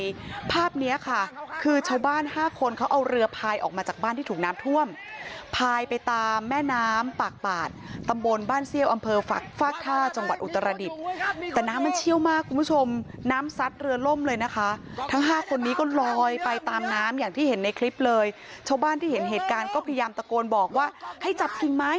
ภาพเนี้ยค่ะคือชาวบ้านห้าคนเขาเอาเรือพายออกมาจากบ้านที่ถูกน้ำท่วมพายไปตามแม่น้ำปากป่านตำบลบ้านเซี่ยวอำเภอฝากฟากท่าจังหวัดอุตรดิษฐ์แต่น้ำมันเชี่ยวมากคุณผู้ชมน้ำซัดเรือล่มเลยนะคะทั้งห้าคนนี้ก็ลอยไปตามน้ำอย่างที่เห็นในคลิปเลยชาวบ้านที่เห็นเหตุการณ์ก็พยายามตะโกนบอกว่าให้จับกิ่งไม้